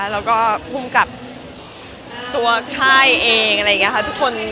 แล้วก็ภูมิกับตัวค่ายเองอะไรอย่างนี้ค่ะทุกคน